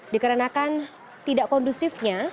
dikarenakan tidak kondusifnya